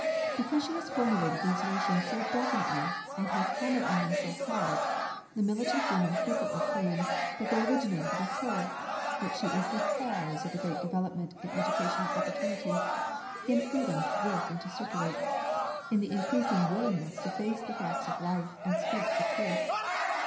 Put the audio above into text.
Because she has formulated these notions so definitely and has hammered on them so hard, the militant woman frequently claims that they originated with her, that she is the cause of the great development in educational opportunities, in freedom to work and to circulate, in the increasing willingness to face the facts of life and speak the truth.